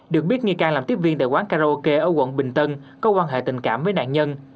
được biết nghi can làm tiếp viên tại quán karaoke ở quận bình tân có quan hệ tình cảm với nạn nhân